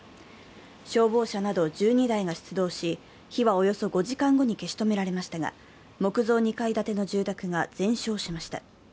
消防車など１２台が出動し火はおよそ５時間後に消し止められましたが木造２階建ての住宅が全焼しました。